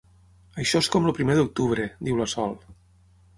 Això és com el Primer d'Octubre! —diu la Sol.